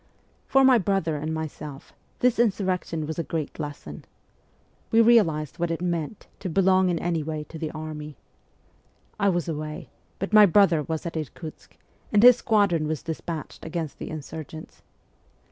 For my brother and myself this insurrection was a great lesson. We realized what it meant to belong in any way to the army. I was away ; but my brother was at Irkutsk, and his squadron was dispatched against the insurgents.